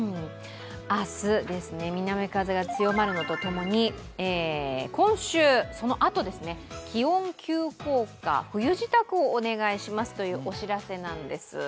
明日、南風が強まるのとともに今週、そのあと、気温急降下、冬支度をお願いしますというお知らせなんです。